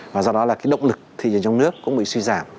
và do đó là cái động lực thị trường trong nước cũng bị suy giảm